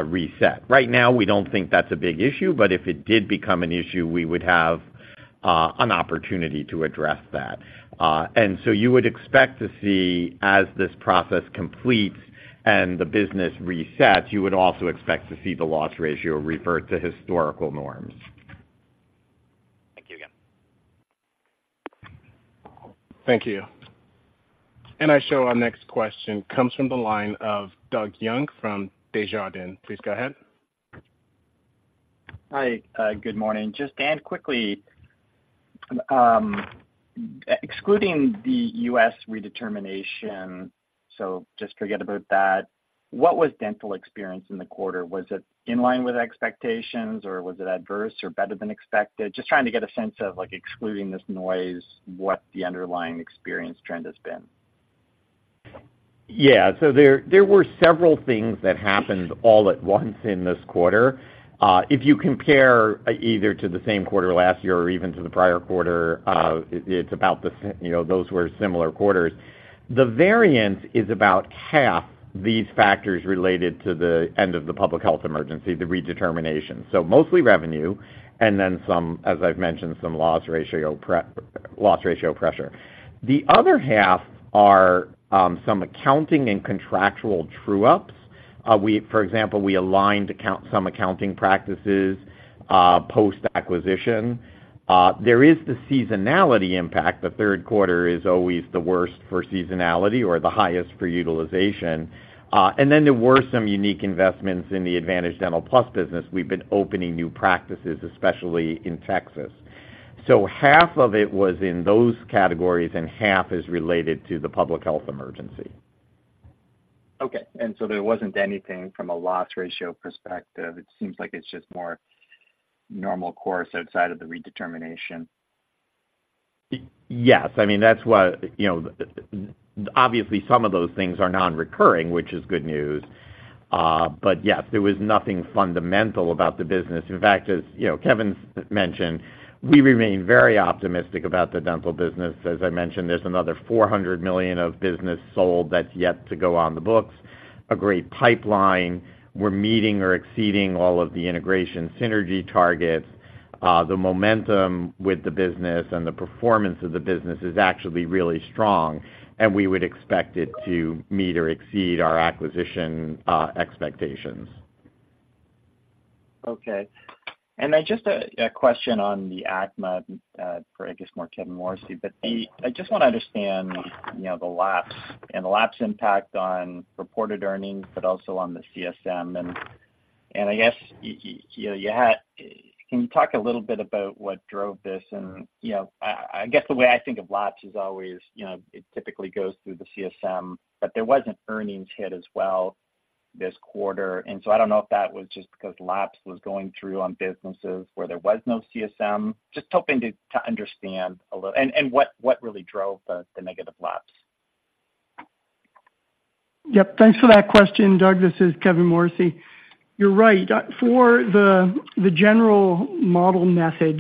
reset. Right now, we don't think that's a big issue, but if it did become an issue, we would have an opportunity to address that. And so you would expect to see, as this process completes and the business resets, you would also expect to see the loss ratio revert to historical norms. Thank you again. Thank you. I show our next question comes from the line of Doug Young from Desjardins. Please go ahead. Hi, good morning. Just Dan, quickly, excluding the U.S. redetermination, so just forget about that. What was dental experience in the quarter? Was it in line with expectations, or was it adverse or better than expected? Just trying to get a sense of, like, excluding this noise, what the underlying experience trend has been. ... Yeah, so there were several things that happened all at once in this quarter. If you compare either to the same quarter last year or even to the prior quarter, it's about the same, you know, those were similar quarters. The variance is about half these factors related to the end of the public health emergency, the redetermination. So mostly revenue, and then some, as I've mentioned, some loss ratio pre-loss ratio pressure. The other half are some accounting and contractual true-ups. We, for example, aligned some accounting practices post-acquisition. There is the seasonality impact. The third quarter is always the worst for seasonality or the highest for utilization. And then there were some unique investments in the Advantage Dental Plus business. We've been opening new practices, especially in Texas. Half of it was in those categories, and half is related to the public health emergency. Okay, and so there wasn't anything from a loss ratio perspective. It seems like it's just more normal course outside of the redetermination. Yes, I mean, that's what, you know, obviously some of those things are non-recurring, which is good news. But yes, there was nothing fundamental about the business. In fact, as you know, Kevin mentioned, we remain very optimistic about the dental business. As I mentioned, there's another $400 million of business sold that's yet to go on the books. A great pipeline. We're meeting or exceeding all of the integration synergy targets. The momentum with the business and the performance of the business is actually really strong, and we would expect it to meet or exceed our acquisition expectations. Okay. And then just a question on the ACMA, for, I guess, more Kevin Morrissey. But I just want to understand, you know, the lapse and the lapse impact on reported earnings, but also on the CSM. And I guess you know. Can you talk a little bit about what drove this? And, you know, I guess the way I think of lapse is always, you know, it typically goes through the CSM, but there was an earnings hit as well this quarter. And so I don't know if that was just because lapse was going through on businesses where there was no CSM. Just hoping to understand a little... And what really drove the negative lapse? Yep, thanks for that question, Doug. This is Kevin Morrissey. You're right. For the General Measurement Model,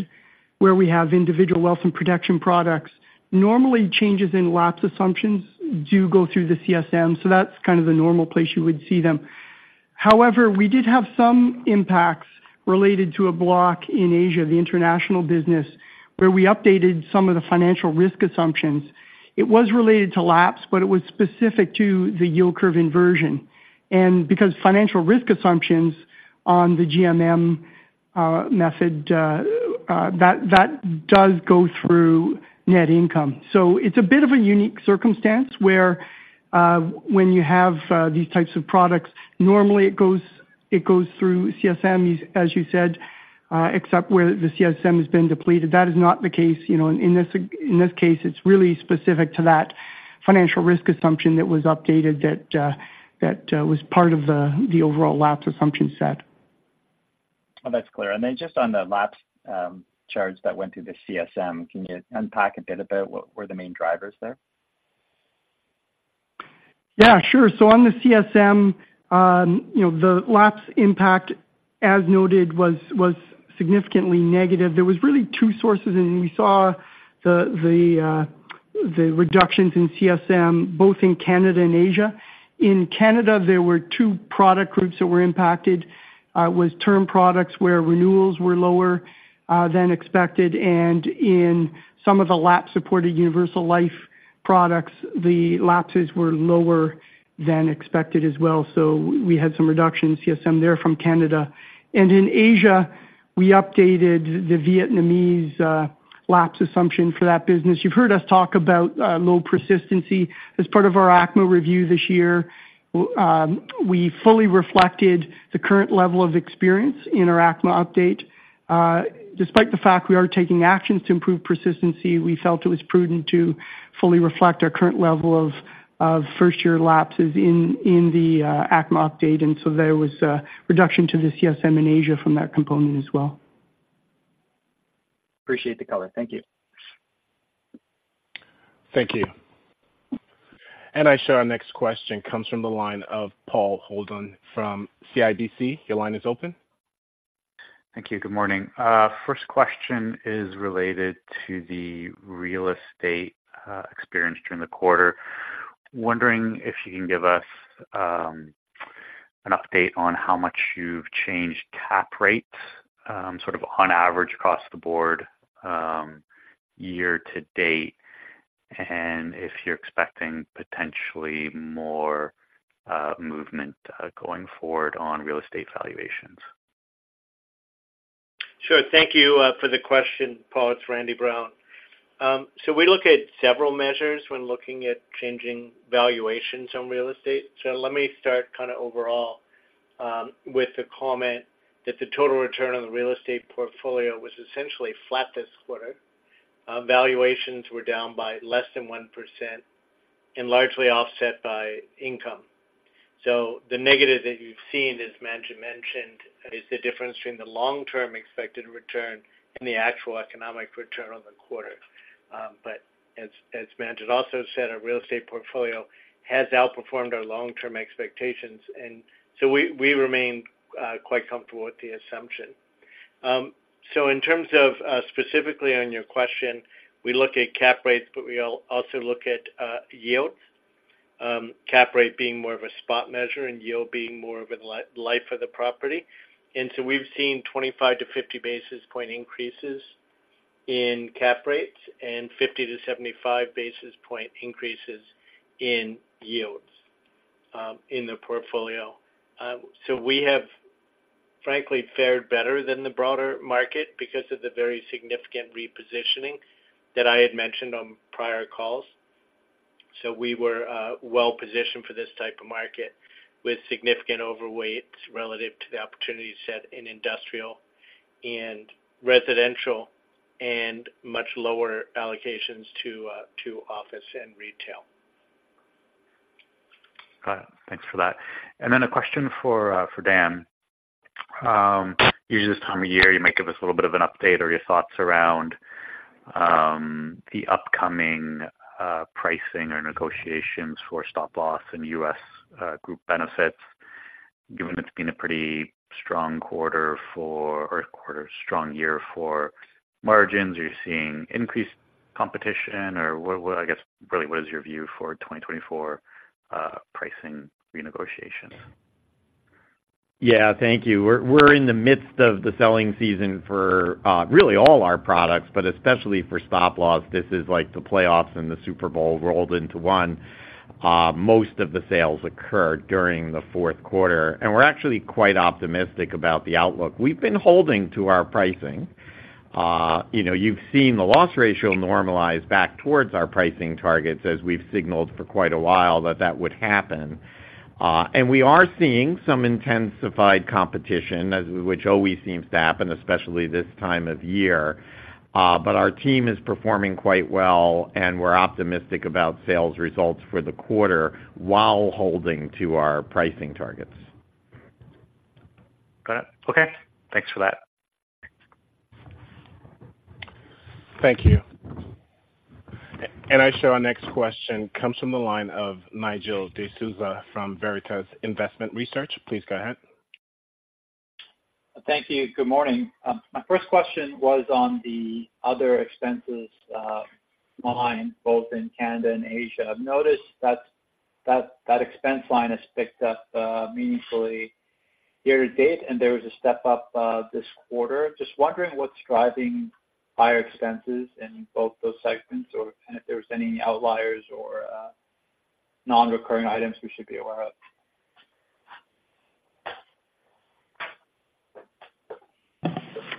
where we have individual wealth and protection products, normally changes in lapse assumptions do go through the CSM, so that's kind of the normal place you would see them. However, we did have some impacts related to a block in Asia, the international business, where we updated some of the financial risk assumptions. It was related to lapse, but it was specific to the yield curve inversion. And because financial risk assumptions on the GMM method, that does go through net income. So it's a bit of a unique circumstance where when you have these types of products, normally it goes through CSM, as you said, except where the CSM has been depleted. That is not the case, you know, in this case, it's really specific to that financial risk assumption that was updated that was part of the overall lapse assumption set. Oh, that's clear. And then just on the lapse charge that went through the CSM, can you unpack a bit about what were the main drivers there? Yeah, sure. So on the CSM, you know, the lapse impact, as noted, was significantly negative. There was really two sources, and we saw the reductions in CSM, both in Canada and Asia. In Canada, there were two product groups that were impacted, was term products where renewals were lower than expected, and in some of the lapse-supported universal life products, the lapses were lower than expected as well. So we had some reduction in CSM there from Canada. And in Asia, we updated the Vietnamese lapse assumption for that business. You've heard us talk about low persistency as part of our ACMA review this year. We fully reflected the current level of experience in our ACMA update. Despite the fact we are taking actions to improve persistency, we felt it was prudent to fully reflect our current level of first-year lapses in the ACMA update, and so there was a reduction to the CSM in Asia from that component as well. Appreciate the color. Thank you. Thank you. I show our next question comes from the line of Paul Holden from CIBC. Your line is open. Thank you. Good morning. First question is related to the real estate experience during the quarter. Wondering if you can give us an update on how much you've changed cap rates, sort of on average across the board, year to date, and if you're expecting potentially more movement going forward on real estate valuations? Sure. Thank you for the question, Paul. It's Randy Brown. So we look at several measures when looking at changing valuations on real estate. So let me start kind of overall with the comment that the total return on the real estate portfolio was essentially flat this quarter. Valuations were down by less than 1% and largely offset by income. So the negative that you've seen, as Manjit mentioned, is the difference between the long-term expected return and the actual economic return on the quarter. But as Manjit also said, our real estate portfolio has outperformed our long-term expectations, and so we remain quite comfortable with the assumption. So in terms of specifically on your question, we look at cap rates, but we also look at yields. Cap rate being more of a spot measure and yield being more of a life of the property. And so we've seen 25-50 basis point increases in cap rates and 50-75 basis point increases in yields in the portfolio. So we have frankly fared better than the broader market because of the very significant repositioning that I had mentioned on prior calls. So we were well positioned for this type of market, with significant overweights relative to the opportunity set in industrial and residential, and much lower allocations to office and retail. Got it. Thanks for that. And then a question for Dan. Usually this time of year, you might give us a little bit of an update or your thoughts around the upcoming pricing or negotiations for stop-loss in U.S. Group Benefits, given it's been a pretty strong quarter or a strong year for margins. Are you seeing increased competition or what, what I guess, really, what is your view for 2024 pricing renegotiation? Yeah, thank you. We're in the midst of the selling season for really all our products, but especially for stop-loss. This is like the playoffs and the Super Bowl rolled into one. Most of the sales occur during the fourth quarter, and we're actually quite optimistic about the outlook. We've been holding to our pricing. You know, you've seen the loss ratio normalize back towards our pricing targets as we've signaled for quite a while that that would happen. And we are seeing some intensified competition, as which always seems to happen, especially this time of year. But our team is performing quite well, and we're optimistic about sales results for the quarter while holding to our pricing targets. Got it. Okay, thanks for that. Thank you. And our next question comes from the line of Nigel D'Souza from Veritas Investment Research. Please go ahead. Thank you. Good morning. My first question was on the other expenses line, both in Canada and Asia. I've noticed that expense line has picked up meaningfully year to date, and there was a step-up this quarter. Just wondering what's driving higher expenses in both those segments, or, and if there was any outliers or non-recurring items we should be aware of?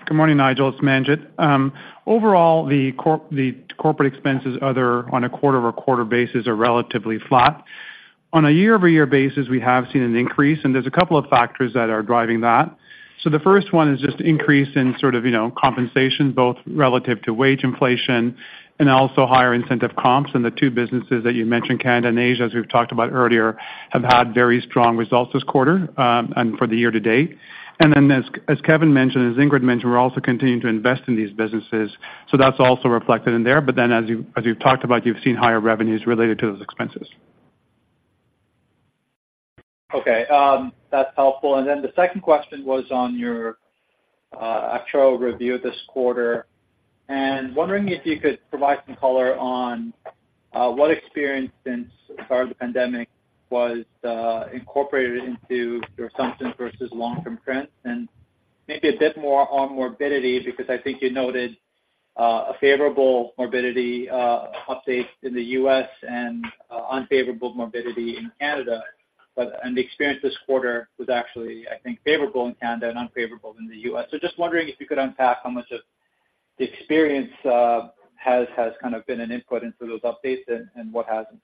Good morning, Nigel, it's Manjit. Overall, the corporate expenses, other on a quarter-over-quarter basis, are relatively flat. On a year-over-year basis, we have seen an increase, and there's a couple of factors that are driving that. So the first one is just increase in sort of, you know, compensation, both relative to wage inflation and also higher incentive comps. And the two businesses that you mentioned, Canada and Asia, as we've talked about earlier, have had very strong results this quarter, and for the year to date. And then as Kevin mentioned, as Ingrid mentioned, we're also continuing to invest in these businesses, so that's also reflected in there. But then, as you've talked about, you've seen higher revenues related to those expenses. Okay, that's helpful. And then the second question was on your actual review this quarter, and wondering if you could provide some color on what experience since the start of the pandemic was incorporated into your assumptions versus long-term trends? And maybe a bit more on morbidity, because I think you noted a favorable morbidity update in the U.S. and unfavorable morbidity in Canada. But and the experience this quarter was actually, I think, favorable in Canada and unfavorable in the U.S. So just wondering if you could unpack how much of the experience has kind of been an input into those updates and what hasn't?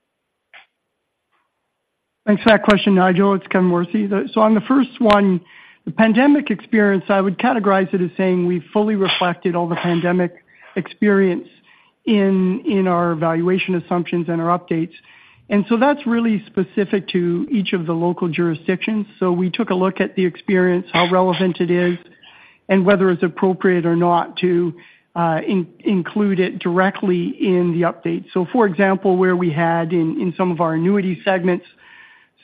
Thanks for that question, Nigel. It's Kevin Morrissey. So on the first one, the pandemic experience, I would categorize it as saying we fully reflected all the pandemic experience in our evaluation assumptions and our updates, and so that's really specific to each of the local jurisdictions. So we took a look at the experience, how relevant it is, and whether it's appropriate or not to include it directly in the update. So for example, where we had in some of our annuity segments,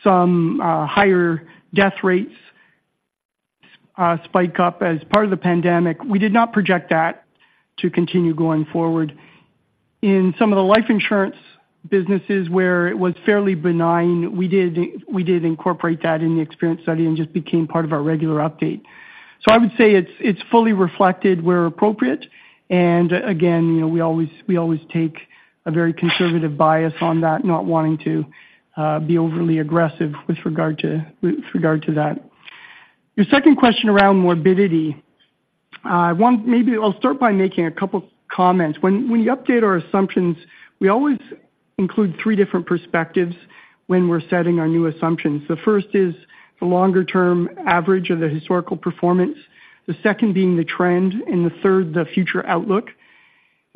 some higher death rates spike up as part of the pandemic, we did not project that to continue going forward. In some of the life insurance businesses, where it was fairly benign, we did incorporate that in the experience study and just became part of our regular update. So I would say it's, it's fully reflected where appropriate, and again, you know, we always, we always take a very conservative bias on that, not wanting to, be overly aggressive with regard to, with regard to that. Your second question around morbidity, I want—maybe I'll start by making a couple comments. When you update our assumptions, we always include three different perspectives when we're setting our new assumptions. The first is the longer-term average of the historical performance, the second being the trend, and the third, the future outlook....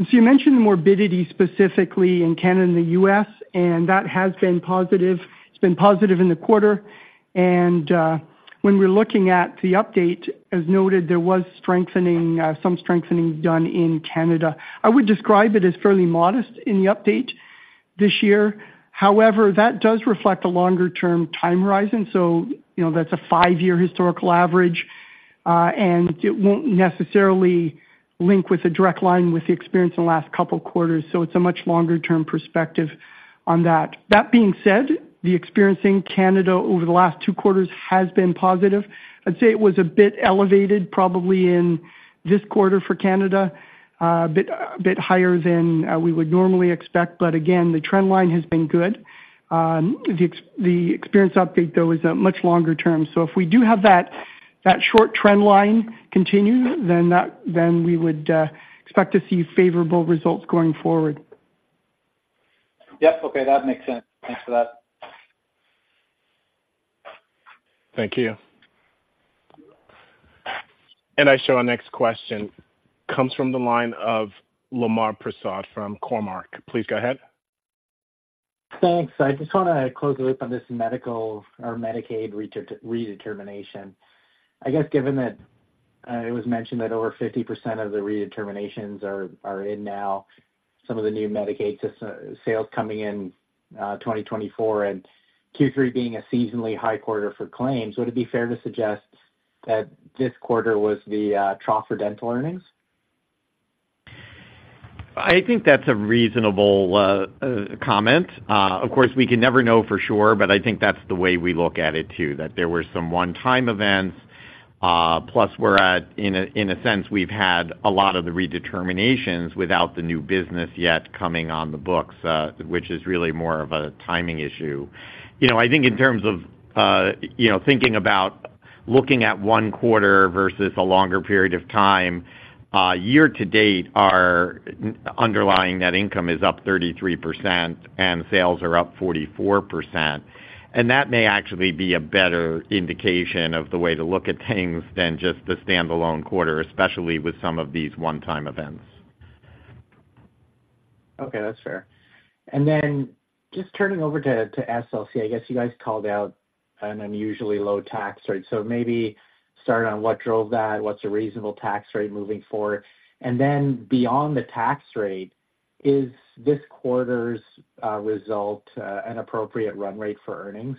So you mentioned morbidity specifically in Canada and the U.S., and that has been positive. It's been positive in the quarter, and, when we're looking at the update, as noted, there was strengthening, some strengthening done in Canada. I would describe it as fairly modest in the update this year. However, that does reflect a longer-term time horizon. So, you know, that's a five-year historical average, and it won't necessarily link with a direct line with the experience in the last couple of quarters. So it's a much longer-term perspective on that. That being said, the experience in Canada over the last two quarters has been positive. I'd say it was a bit elevated, probably in this quarter for Canada, a bit higher than we would normally expect. But again, the trend line has been good. The experience update, though, is a much longer term. So if we do have that short trend line continue, then we would expect to see favorable results going forward. Yep. Okay, that makes sense. Thanks for that. Thank you. Our next question comes from the line of Lemar Persaud from Cormark. Please go ahead. Thanks. I just want to close the loop on this Medicaid redetermination. I guess, given that, it was mentioned that over 50% of the redeterminations are in now, some of the new Medicaid sales coming in 2024, and Q3 being a seasonally high quarter for claims, would it be fair to suggest that this quarter was the trough for dental earnings? I think that's a reasonable comment. Of course, we can never know for sure, but I think that's the way we look at it, too, that there were some one-time events. Plus, in a sense, we've had a lot of the redeterminations without the new business yet coming on the books, which is really more of a timing issue. You know, I think in terms of, you know, thinking about looking at one quarter versus a longer period of time, year to date, our underlying net income is up 33% and sales are up 44%. That may actually be a better indication of the way to look at things than just the standalone quarter, especially with some of these one-time events. Okay, that's fair. And then just turning over to, to SLC, I guess you guys called out an unusually low tax rate. So maybe start on what drove that, what's a reasonable tax rate moving forward? And then beyond the tax rate, is this quarter's result an appropriate run rate for earnings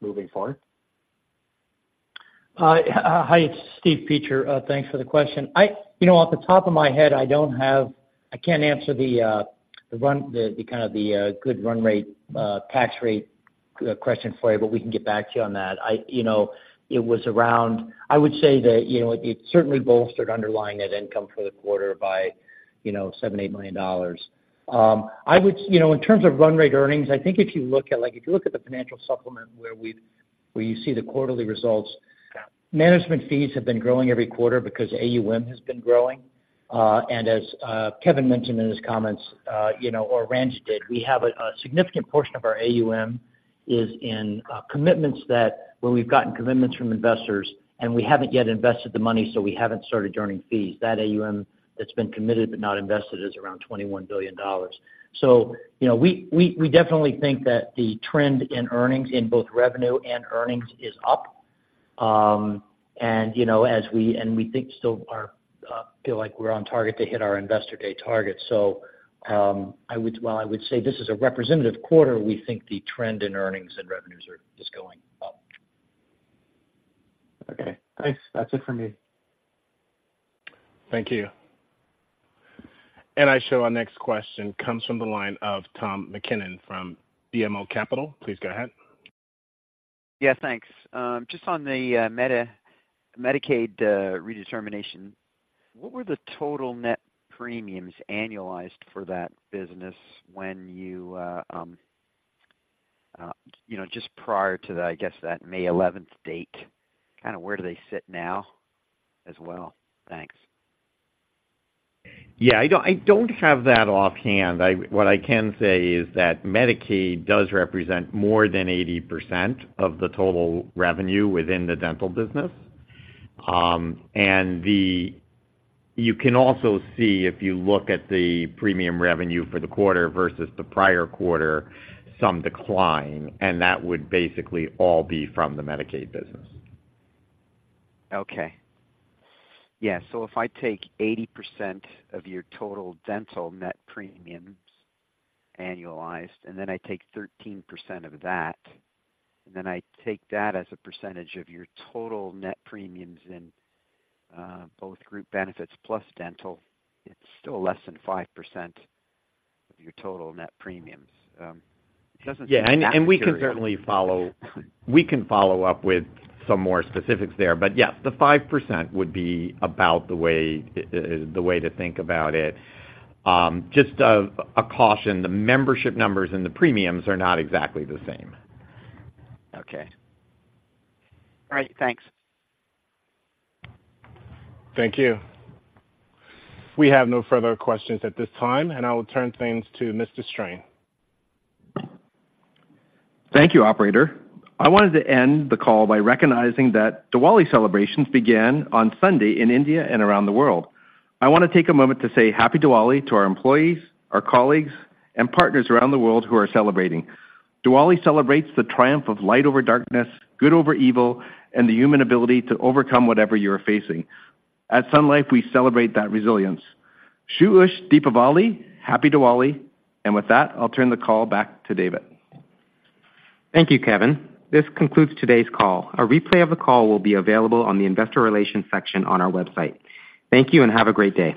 moving forward? Hi, it's Steve Peacher. Thanks for the question. You know, off the top of my head, I don't have it. I can't answer the run rate tax rate question for you, but we can get back to you on that. You know, it was around. I would say that, you know, it certainly bolstered underlying net income for the quarter by, you know, $7-8 million. You know, in terms of run rate earnings, I think if you look at, like, if you look at the financial supplement where we've, where you see the quarterly results- Yeah. Management fees have been growing every quarter because AUM has been growing. And as Kevin mentioned in his comments, you know, or Manjit did, we have a significant portion of our AUM is in commitments that where we've gotten commitments from investors, and we haven't yet invested the money, so we haven't started earning fees. That AUM that's been committed but not invested is around $21 billion. So, you know, we definitely think that the trend in earnings, in both revenue and earnings is up. And, you know, as we, and we think still are, feel like we're on target to hit our Investor Day target. So, I would... While I would say this is a representative quarter, we think the trend in earnings and revenues are just going up. Okay, thanks. That's it for me. Thank you. Our next question comes from the line of Tom MacKinnon from BMO Capital Markets. Please go ahead. Yeah, thanks. Just on the Medicaid redetermination, what were the total net premiums annualized for that business when you know, just prior to the, I guess, that May 11th date? Kind of where do they sit now as well? Thanks. Yeah, I don't, I don't have that offhand. What I can say is that Medicaid does represent more than 80% of the total revenue within the dental business. You can also see, if you look at the premium revenue for the quarter versus the prior quarter, some decline, and that would basically all be from the Medicaid business. Okay. Yeah, so if I take 80% of your total dental net premiums annualized, and then I take 13% of that, and then I take that as a percentage of your total net premiums in both group benefits plus dental, it's still less than 5% of your total net premiums. It doesn't- Yeah, and we can certainly follow up with some more specifics there, but yes, the 5% would be about the way to think about it. Just a caution, the membership numbers and the premiums are not exactly the same. Okay. All right, thanks. Thank you. We have no further questions at this time, and I will turn things to Mr. Strain. Thank you, operator. I wanted to end the call by recognizing that Diwali celebrations began on Sunday in India and around the world. I want to take a moment to say happy Diwali to our employees, our colleagues, and partners around the world who are celebrating. Diwali celebrates the triumph of light over darkness, good over evil, and the human ability to overcome whatever you are facing. At Sun Life, we celebrate that resilience. Shubh Deepavali! Happy Diwali. With that, I'll turn the call back to David. Thank you, Kevin. This concludes today's call. A replay of the call will be available on the investor relations section on our website. Thank you, and have a great day.